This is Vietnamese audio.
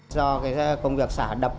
do công việc xả đập